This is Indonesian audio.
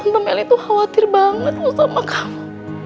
tante mel itu khawatir banget loh sama kamu